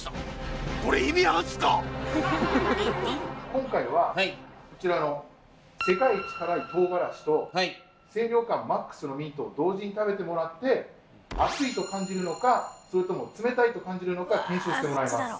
今回はこちらの世界一辛いトウガラシと清涼感ＭＡＸのミントを同時に食べてもらって「熱い」と感じるのかそれとも「冷たい」と感じるのか検証してもらいます。